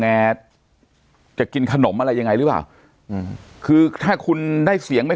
แอร์จะกินขนมอะไรยังไงหรือเปล่าอืมคือถ้าคุณได้เสียงไม่